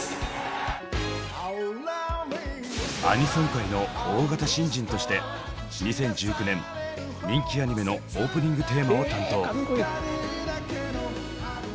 「アニソン界の大型新人」として２０１９年人気アニメのオープニングテーマを担当。